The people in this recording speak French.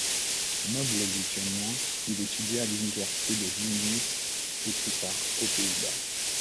Noble lituanien, il étudia à l'université de Vilnius et plus tard aux Pays-Bas.